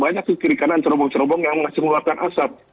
banyak sih kiri kanan cerobong cerobong yang masih mengeluarkan asap